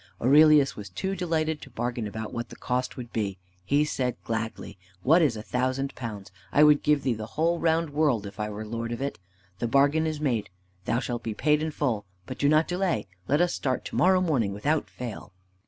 Aurelius was too delighted to bargain about what the cost would be. He said gladly: "What is a thousand pounds? I would give thee the whole round world, if I were lord of it. The bargain is made. Thou shalt be paid in full. But do not delay. Let us start to morrow morning without fail."